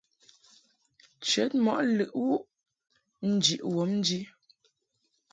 Nchəd mɔʼ lɨʼ wuʼ njiʼ wɔbnji.